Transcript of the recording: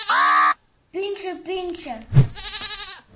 Пӱнчӧ!, пӱнчӧ!